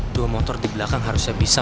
dua motor di belakang harusnya bisa